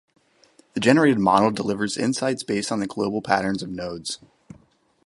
The generated model delivers insights based on the global patterns of nodes.